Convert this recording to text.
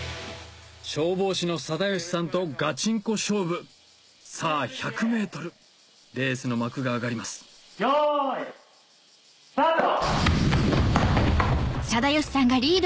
消防士の定由さんとガチンコ勝負さぁ１００ｍレースの幕が上がりますよいスタート！